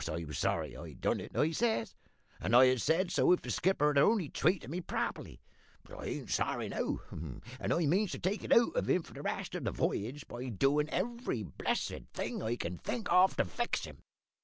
Of course I was sorry I done it,' I says, `and I'd ha' said so if the skipper had only treated me properly; but I ain't sorry now, and I means to take it out of him for the rest of the v'yage by doin' every blessed thing I can think of to vex him.